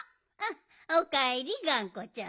おかえりがんこちゃん。